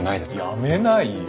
やめないよ。